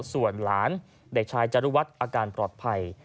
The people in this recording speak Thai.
ส่วนหลานเด็กชายจรุวัฒน์อาการปลอดภัย